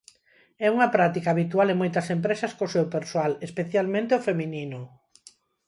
É unha práctica habitual en moitas empresas co seu persoal, especialmente o feminino.